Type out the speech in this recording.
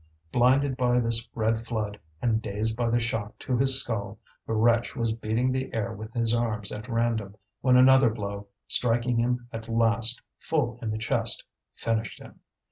Blinded by this red flood, and dazed by the shock to his skull, the wretch was beating the air with his arms at random, when another blow, striking him at last full in the chest, finished him.